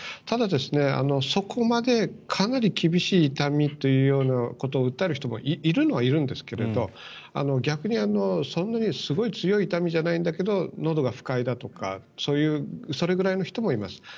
ただ、そこまでかなり厳しい痛みというようなことを訴える人もいるのはいるんですが逆にそんなに強い痛みじゃないんだけどのどが不快だとかそれくらいの人もいます。